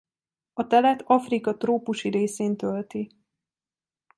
A telet Afrika trópusi részén tölti.